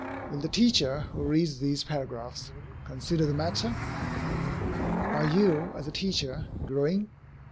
Will the teacher, who reads these paragraphs, consider the matter? Are you, as a teacher, growing?